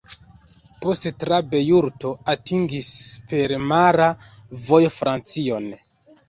Poste tra Bejruto atingis per mara vojo Francion.